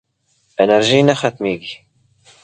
انرژي نه ختمېږي.